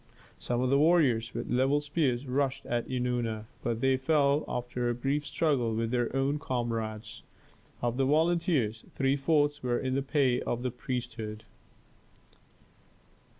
Some of the warriors with levelled spears rushed at Eunana, but they fell after a brief struggle with their own comrades. Of the volunteers, three fourths were in the pay of the priesthood.